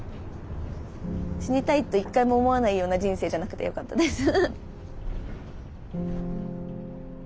死にたいと一回も思わないような人生じゃなくてよかったです。